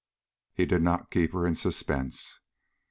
He did not keep her in suspense.